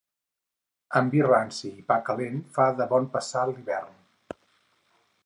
Amb vi ranci i pa calent fa de bon passar l'hivern.